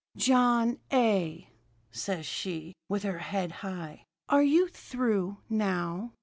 "'John A.,' says she, with her head high. 'Are you through, now?'